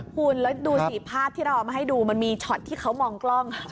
คุณแล้วดูสิภาพที่เราเอามาให้ดูมันมีช็อตที่เขามองกล้อง